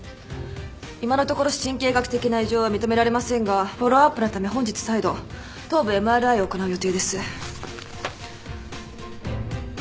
今のところ神経学的な異常は認められませんがフォローアップのため本日再度頭部ＭＲＩを行う予定です。